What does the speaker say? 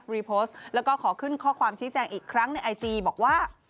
รีโพสต์แล้วก็ขอขึ้นข้อความชี้แจงอีกครั้งในไอจีบอกว่า